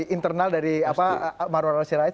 internal dari marwan rosyarait